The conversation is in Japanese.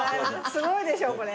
すごいでしょこれ。